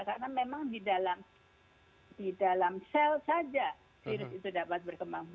karena memang di dalam sel saja virus itu dapat berkembang